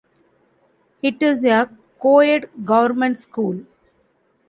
It is a co-ed government school.